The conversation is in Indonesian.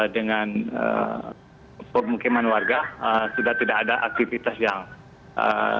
dengan pemukiman warga sudah tidak ada aktivitas yang diperlukan